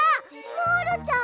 モールちゃん！